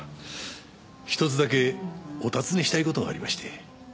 １つだけお尋ねしたい事がありまして。